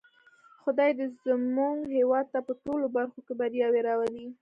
خدای دې زموږ هېواد ته په ټولو برخو کې بریاوې راولی.